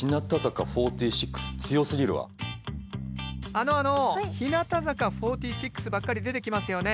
あのあの日向坂４６ばっかり出てきますよね。